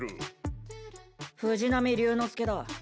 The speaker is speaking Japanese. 藤波竜之介だ。